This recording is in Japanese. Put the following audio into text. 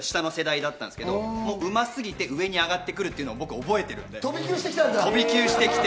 下の世代だったんですけど、うますぎて上に上がってくるというのを僕、覚えてるんで、飛び級してきて。